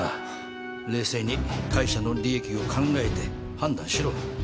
冷静に会社の利益を考えて判断しろ。